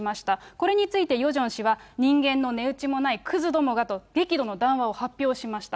これについてヨジョン氏は、人間の値打ちもないくずどもがと、激怒の談話を発表しました。